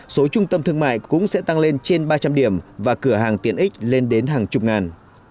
số trung tâm thương mại cũng sẽ tăng lên trên ba trăm linh điểm và cửa hàng tiện ích lên đến hàng chục ngàn